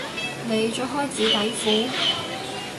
你着開紙底褲？